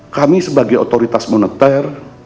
kami sebagai otoritas moneter